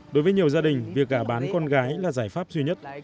đối với nhiều gia đình việc gả bán con gái là giải pháp duy nhất